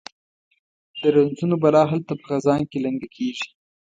د رنځونو بلا هلته په خزان کې لنګه کیږي